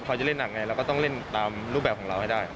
เขาจะเล่นหนักไงเราก็ต้องเล่นตามรูปแบบของเราให้ได้